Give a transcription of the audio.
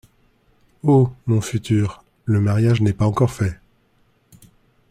Oh ! mon futur ! le mariage n’est pas encore fait !